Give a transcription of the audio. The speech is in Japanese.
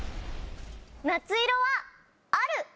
「夏色」はある。